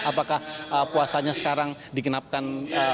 apakah puasanya sekarang dikenapkan dua puluh sembilan